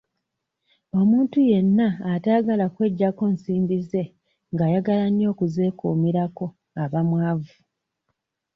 Omuntu yenna atayagala kweggyako nsimbi ze nga ayagala nnyo okuzeekuumirako aba mwavu.